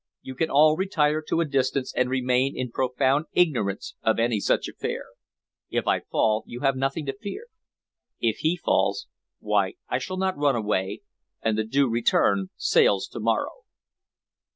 You can all retire to a distance and remain in profound ignorance of any such affair. If I fall, you have nothing to fear. If he falls, why, I shall not run away, and the Due Return sails to morrow."